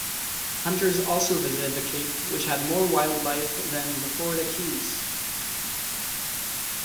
Hunters also visited the cape, which had more wildlife than the Florida Keys.